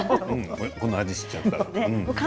この味を知っちゃったら。